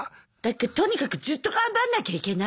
とにかくずっと頑張んなきゃいけない。